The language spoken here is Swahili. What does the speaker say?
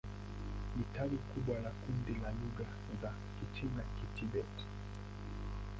Ni tawi kubwa la kundi la lugha za Kichina-Kitibet.